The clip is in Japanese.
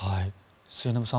末延さん